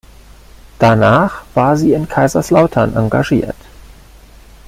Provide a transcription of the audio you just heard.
Danach war sie in Kaiserslautern engagiert.